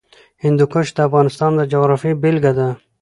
هندوکش د افغانستان د جغرافیې بېلګه ده.